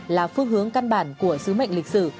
là phương hướng căn bản của sứ mệnh lịch sử